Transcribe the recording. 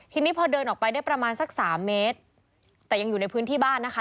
ทีนี้พอเดินออกไปได้ประมาณสักสามเมตรแต่ยังอยู่ในพื้นที่บ้านนะคะ